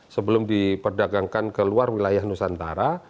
sebelum diperdagangkan ke luar wilayah nusantara